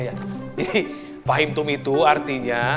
jadi fahim tum itu artinya